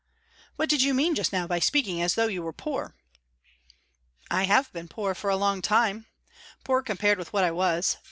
"What did you mean just now by speaking as though you were poor?" "I have been poor for a long time poor compared with what I was.